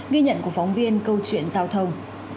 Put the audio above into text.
ghi nhận của phóng viên câu chuyện giao thông